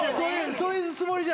そういうつもりじゃ。